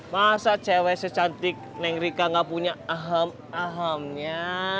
masa cewek secantik neng rika enggak punya ahem ahemnya